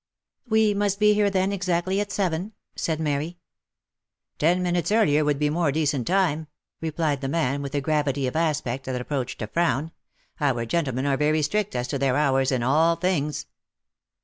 " We must be here, then, exactly at seven V* said Mary. " Ten minutes earlier, would be more decent time," replied the man, with a gravity of aspect that approached a frown, " our gentlemen are very strict as to their hours in all things."